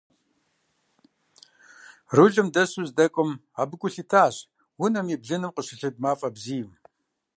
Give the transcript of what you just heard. Рулым дэсу здэкӀуэм абы гу лъитащ унэм и блыным къыщылыд мафӀэ бзийм.